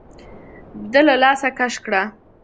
ده له لاسه کش کړه.